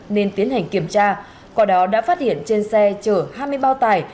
nên tiến hành kiểm tra qua đó đã phát hiện trên xe chở hai mươi bao tải